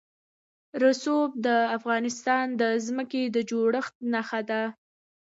رسوب د افغانستان د ځمکې د جوړښت نښه ده.